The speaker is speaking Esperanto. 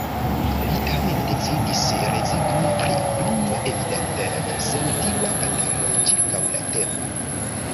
Li tamen decidis rezigni pri plia, evidente senutila batalo ĉirkaŭ la temo.